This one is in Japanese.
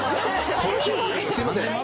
すいません。